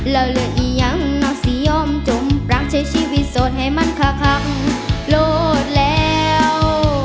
แล้วเรื่องอียังนอกสิอ้อมจมรักใช้ชีวิตสดให้มันค่าคักโลดแล้ว